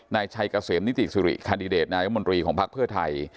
นายชัยเกษมนิติสุริคันดิเดตนายมนตรีของพักเพื่อไทย